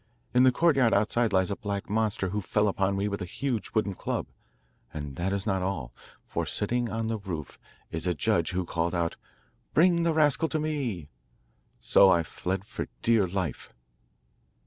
In the courtyard outside lies a black monster, who fell upon me with a huge wooden club; and that is not all, for, sitting on the roof, is a judge, who called out: "Bring the rascal to me." So I fled for dear life.